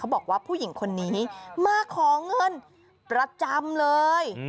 บอกว่าผู้หญิงคนนี้มาขอเงินประจำเลย